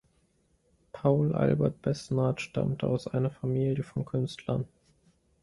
Paul-Albert Besnard stammte aus einer Familie von Künstlern.